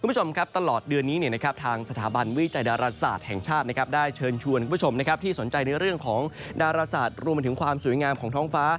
คุณผู้ชมครับตลอดเดือนนี้ทางสถาบันวิจัยดาราศาสตร์แห่งชาติได้เชิญชวนคุณผู้ชมที่สนใจในเรื่องของดาราศาสตร์รวมไปถึงความสวยงามของท้องฟ้า